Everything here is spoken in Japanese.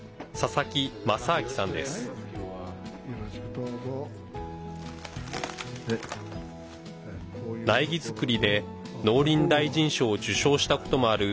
苗木作りで農林大臣賞を受賞したこともある